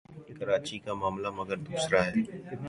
کراچی کا معاملہ مگر دوسرا ہے۔